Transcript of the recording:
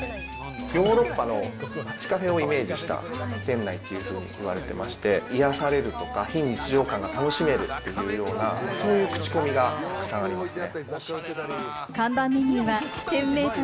ヨーロッパの街カフェをイメージした店内に包まれてまして、癒やされるとか非日常感を楽しめるというような、そういうクチコミがたくさんありますね。